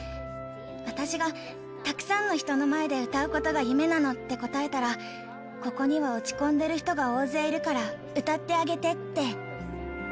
私がたくさんの人の前で歌うことが夢なのって答えたら、ここには落ち込んでる人が大勢いるから、歌ってあげてって。